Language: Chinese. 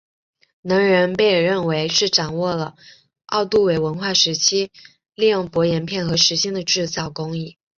能人被认为是掌握了奥杜韦文化时期利用薄岩片和石芯的制造工艺。